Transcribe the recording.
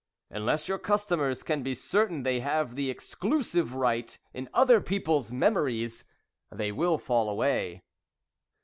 Unless your customers can be certain they have the exclusive right in other people's memories, they will fall away."